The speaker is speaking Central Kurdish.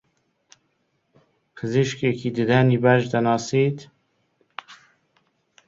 پزیشکێکی ددانی باش دەناسیت؟